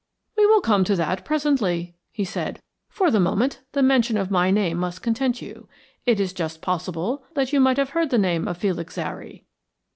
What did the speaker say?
"We will come to that presently," he said. "For the moment the mention of my name must content you. It is just possible that you might have heard the name of Felix Zary."